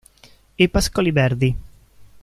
I pascoli verdi.